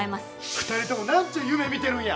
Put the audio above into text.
２人ともなんちゅう夢みてるんや！